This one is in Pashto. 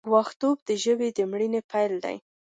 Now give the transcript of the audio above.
ګوښه توب د ژبې د مړینې پیل دی.